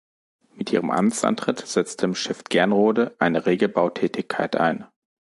Mit ihrem Amtsantritt setzte im Stift Gernrode eine rege Bautätigkeit ein.